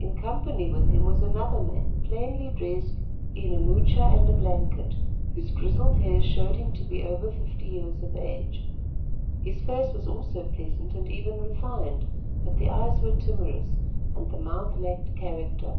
In company with him was another man plainly dressed in a moocha and a blanket, whose grizzled hair showed him to be over fifty years of age. His face also was pleasant and even refined, but the eyes were timorous, and the mouth lacked character.